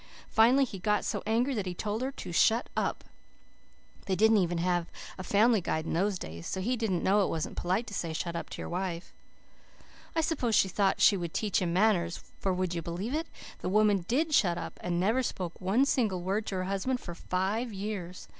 Finally he got so angry that he told her to shut up. They didn't have any Family Guide in those days, so he didn't know it wasn't polite to say shut up to your wife. I suppose she thought she would teach him manners, for would you believe it? That woman did shut up, and never spoke one single word to her husband for five years.